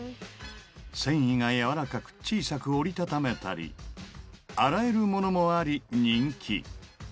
繊維が柔らかく小さく折り畳めたり洗えるものもあり人気